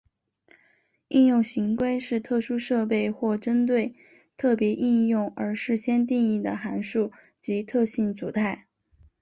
应用行规是特殊设备或针对特别应用而事先定义的函数及特性组态。